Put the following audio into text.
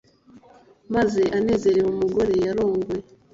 maze anezereze umugore yarongoye.